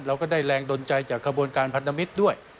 เราก็ได้แรงดนใจจากขบวนการพันธมิตรด้วย